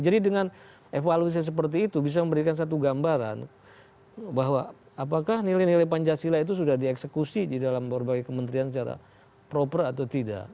jadi dengan evaluasi seperti itu bisa memberikan satu gambaran bahwa apakah nilai nilai pancasila itu sudah dieksekusi di dalam berbagai kementerian secara proper atau tidak